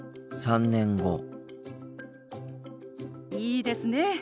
いいですね。